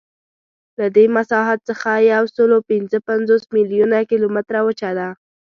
له دې مساحت څخه یوسلاوپینځهپنځوس میلیونه کیلومتره وچه ده.